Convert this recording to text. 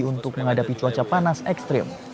untuk menghadapi cuaca panas ekstrim